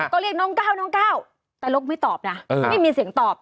ก็เรียกน้องก้าวน้องก้าวแต่ลกไม่ตอบนะไม่มีเสียงตอบ